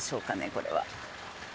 これは。